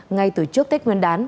ngay từ trước tết nguyên đán